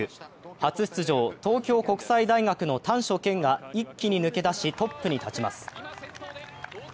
初出場、東京国際大学の丹所健が一気に抜け出し、トップに立ちます